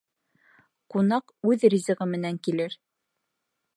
Ҡунаҡ үҙ ризығы менән килер.